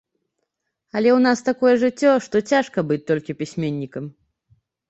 Але ў нас такое жыццё, што цяжка быць толькі пісьменнікам.